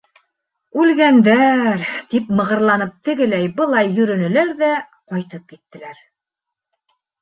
«Үлгәндәр», тип мығырланып тегеләй-былай йөрөнөләр ҙә, ҡайтып киттеләр.